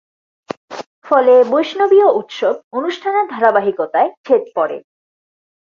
ফলে বৈষ্ণবীয় উৎসব অনুষ্ঠানের ধারাবাহিকতায় ছেদ পড়ে।